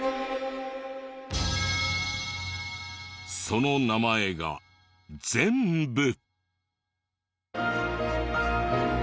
その名前が全部。